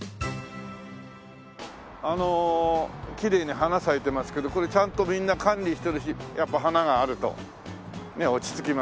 あのきれいに花咲いてますけどこれちゃんとみんな管理してるしやっぱり花があるとねえ落ち着きます。